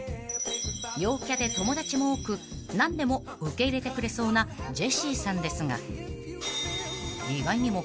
［陽キャで友達も多く何でも受け入れてくれそうなジェシーさんですが意外にも］